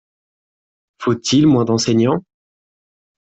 Faut-il moins d’enseignants?